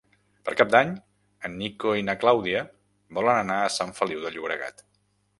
Per Cap d'Any en Nico i na Clàudia volen anar a Sant Feliu de Llobregat.